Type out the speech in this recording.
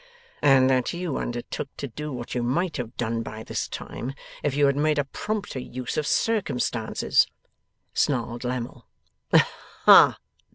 'And that you undertook to do what you might have done by this time, if you had made a prompter use of circumstances,' snarled Lammle. 'Hah!